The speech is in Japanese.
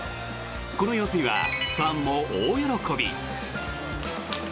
この様子にはファンも大喜び。